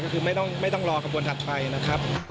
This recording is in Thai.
ก็คือไม่ต้องรอกระบวนถัดไปนะครับ